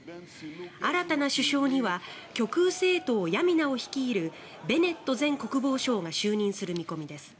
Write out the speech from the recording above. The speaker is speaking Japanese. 新たな首相には極右政党ヤミナを率いるベネット前国防相が就任する見込みです。